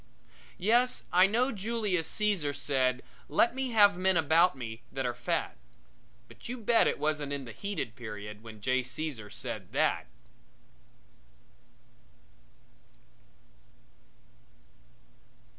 Yes, I know Julius Caesar said: "Let me have men about me that are fat." But you bet it wasn't in the heated period when J. Caesar said that!